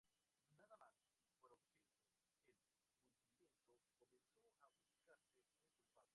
Nada más producirse el hundimiento, comenzó a buscarse un culpable.